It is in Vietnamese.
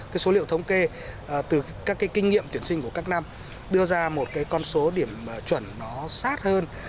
cái số liệu thống kê từ các cái kinh nghiệm tuyển sinh của các năm đưa ra một cái con số điểm chuẩn nó sát hơn